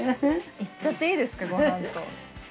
いっちゃっていいですかご飯と。